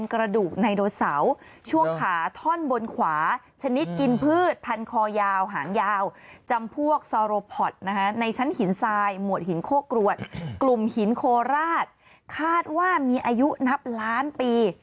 ข้อกรวดกลุ่มหินโคลาสคาดว่ามีอายุนับล้านปี